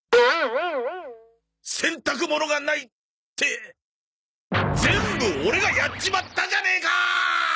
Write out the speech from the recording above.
洗濯物がないって全部オレがやっちまったじゃねえかー！